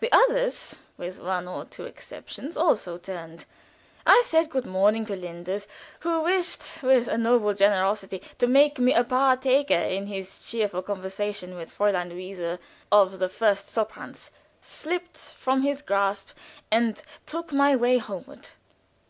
The others, with one or two exceptions, also turned. I said good morning to Linders, who wished, with a noble generosity, to make me a partaker in his cheerful conversation with Fräulein Luise of the first soprans, slipped from his grasp and took my way homeward.